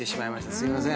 すいません。